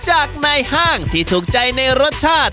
จากในห้างที่ถูกใจในรสชาติ